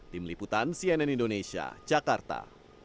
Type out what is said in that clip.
tim liputan cnn indonesia jakarta